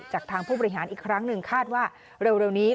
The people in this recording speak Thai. จากทางผู้บริหารอีกครั้งหนึ่งคาดว่าเร็วนี้